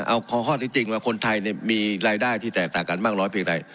เอาข้อที่จริงว่าคนไทยมีรายได้ที่แตกต่างกันมากน้อยเพียงใด